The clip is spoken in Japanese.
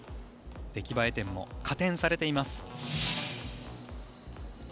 出来栄え点も加点されています。